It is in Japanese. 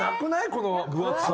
この分厚さ。